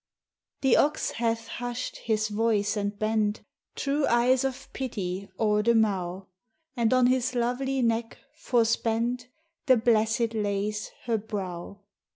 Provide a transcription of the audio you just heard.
The Ox hath husht his voyce and bent Trewe eyes of Pitty ore the Mow, And on his lovelie Neck, forspent, The Blessed lavs her Browe.